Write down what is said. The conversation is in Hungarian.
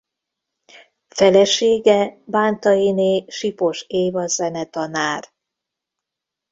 Felesége Bántainé Sipos Éva zenetanár.